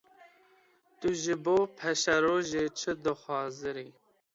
Tu ji bo paşerojê çi dihizirî?